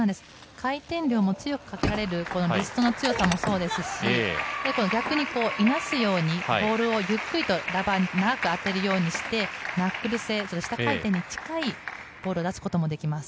回転量を強くかけられる強さもそうですし、いなすようにボールをゆっくりとラバーに当てるようにしてナックル性、下回転に近いボールを出すこともできます。